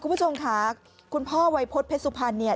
คุณผู้ชมค่ะคุณพ่อวัยพฤษเพชรสุพรรณเนี่ย